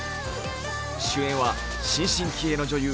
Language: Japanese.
主演は新進気鋭の女優